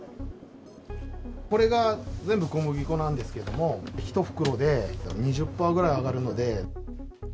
これが全部、小麦粉なんですけれども、１袋で２０パーぐらい上がるので。